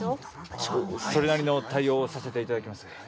それなりの対応をさせて頂きます。